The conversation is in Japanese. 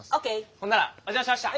ほんならお邪魔しました！